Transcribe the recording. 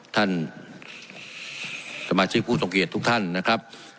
ท่านสมาชิกผู้ทรงเกียจทุกท่านนะครับ